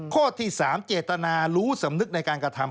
ข้อที่๓เจตนารู้สำนึกในการกระทำ